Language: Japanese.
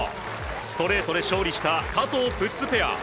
ストレートで勝利した加藤、プッツペア。